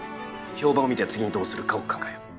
評判を見て次にどうするかを考えよう。